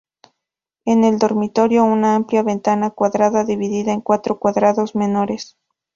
En el dormitorio, una amplia ventana cuadrada dividida en cuatro cuadrados menores.